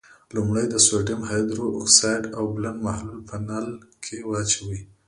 لومړی د سوډیم هایدرو اکسایډ اوبلن محلول په نل کې واچوئ.